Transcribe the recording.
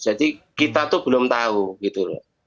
jadi kita itu belum tahu gitu